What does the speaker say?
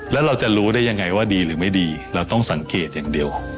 แล้วเราจะรู้ได้ยังไงว่าดีหรือไม่ดีเราต้องสังเกตอย่างเดียว